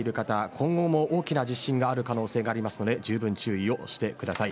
今後も大きな地震がある可能性がありますのでじゅうぶん注意をしてください。